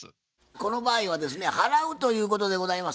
この場合はですね払うということでございます。